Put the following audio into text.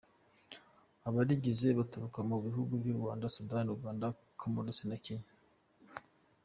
Abarigize baturuka mu bihugu by’u Rwanda, Sudani, Uganda Comores na Kenya.